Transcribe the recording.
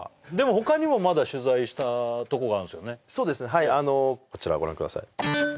はいこちらをご覧ください